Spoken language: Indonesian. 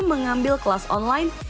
mengambil kelas online